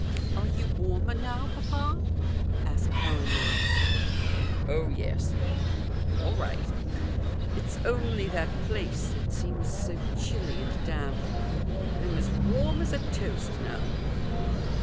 "Are you warmer now, papa?" asked Ellinor. "Oh, yes! All right. It's only that place that seems so chilly and damp. I'm as warm as a toast now."